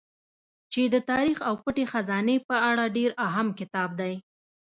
چې د تاريڅ او پټې خزانې په اړه ډېر اهم کتاب دی